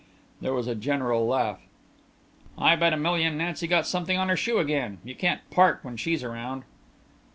There was a general laugh. "I bet a million Nancy got something on her shoe again. You can't park when she's around."